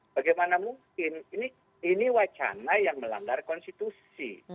bagaimana mungkin ini wacana yang melanggar konstitusi